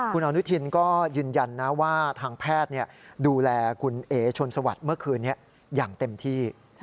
คุณอนุทินก็ยืนยันนะว่าทางแพทย์ดูแลคุณเอ๋ชนสวัสดิ์เมื่อคืนนี้อย่างเต็มที่